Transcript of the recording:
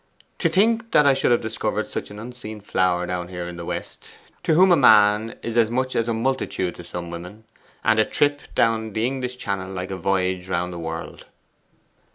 To think that I should have discovered such an unseen flower down there in the West to whom a man is as much as a multitude to some women, and a trip down the English Channel like a voyage round the world!